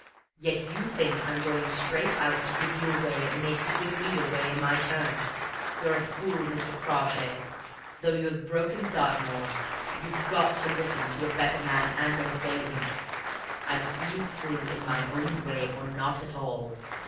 Yet you think I'm going straight out to give you away and make you give me away in my turn. You're a fool, Mr. Crawshay, though you have broken Dartmoor; you've got to listen to a better man, and obey him. I see you through in my own way, or not at all.